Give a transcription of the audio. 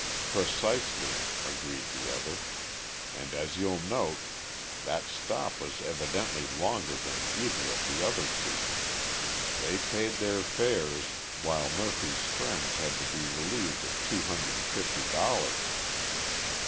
"Precisely," agreed the other, "and, as you'll note, that stop was evidently longer than either of the other two. They paid their fares, while Murphy's friends had to be relieved of two hundred and fifty dollars."